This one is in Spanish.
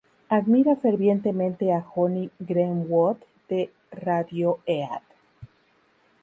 Admira fervientemente a Jonny Greenwood de Radiohead.